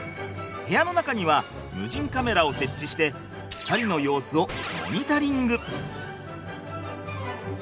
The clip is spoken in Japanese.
部屋の中には無人カメラを設置して２人の様子をモニタリング。